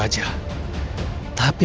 tapi aku tidak bisa